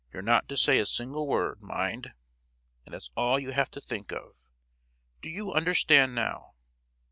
You're not to say a single word, mind! and that's all you have to think of. Do you understand, now?"